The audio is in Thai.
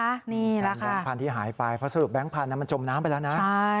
นี่นะแบงค์พันธุ์ที่หายไปเพราะสรุปแบงค์พันธุ์มันจมน้ำไปแล้วนะ